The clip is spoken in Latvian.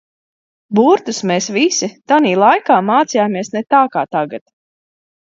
Burtus mēs visi tanī laikā mācījāmies ne tā kā tagad.